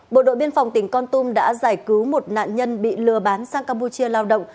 bộ đội biên phòng tỉnh con tum đã giải cứu một nạn nhân bị lừa bán sang campuchia lao động